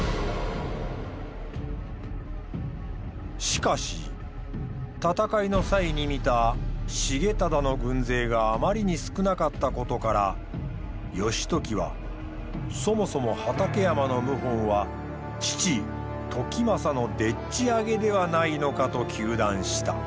しかし戦いの際に見た重忠の軍勢があまりに少なかったことから義時はそもそも畠山の謀反は父時政のでっちあげではないのかと糾弾した。